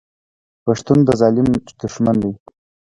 پښتون د ظالم دښمن دی.